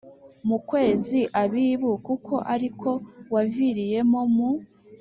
mu kwezi Abibu kuko ari ko waviriyemo mu